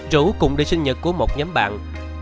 rủ cùng đi sinh nhật của một nhóm bạn